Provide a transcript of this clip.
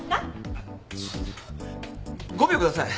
あのちょっと５秒下さい。